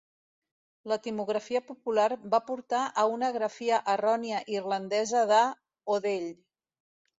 L'etimologia popular va portar a una grafia errònia irlandesa de "O'Dell".